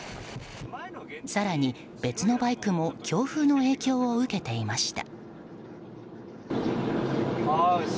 更に、別のバイクも強風の影響を受けていました。